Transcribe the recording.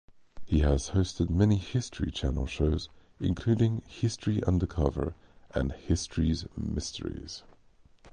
He has hosted many History Channel shows including History Undercover and "History's Mysteries".